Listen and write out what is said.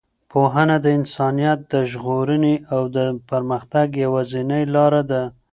پوهنه د انسانیت د ژغورنې او د پرمختګ یوازینۍ لاره ده.